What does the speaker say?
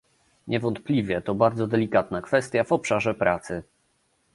Niewątpliwie to bardzo delikatna kwestia w obszarze pracy